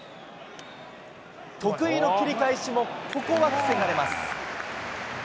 得意の切り返しも、ここは防がれます。